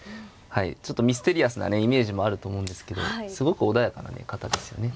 ちょっとミステリアスなねイメージもあると思うんですけどすごく穏やかな方ですよね。